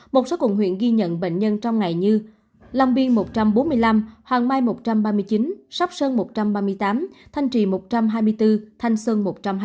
một số quận huyện ghi nhận bệnh nhân trong ngày như long biên một trăm bốn mươi năm hoàng mai một trăm ba mươi chín sóc sơn một trăm ba mươi tám thanh trì một trăm hai mươi bốn thanh xuân một trăm hai mươi